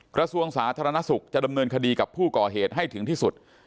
กระทรวงสาธารณสุขจะดำเนินคดีกับผู้ก่อเหตุให้ถึงที่สุด